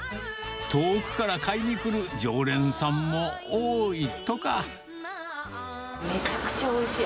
遠くから買いに来る常連さんも多めちゃくちゃおいしい。